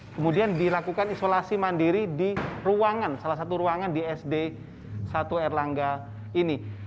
kemudian dilakukan isolasi mandiri di ruangan salah satu ruangan di sd satu erlangga ini